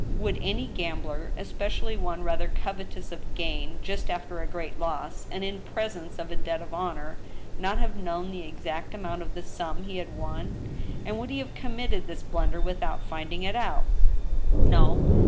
Would any gambler, especially one rather cov^etous of gain, just after a great loss, and in presence of a debt of honor, not have known the exact amount of the sum he had Won, and would he have committed this blunder without finding it out? No.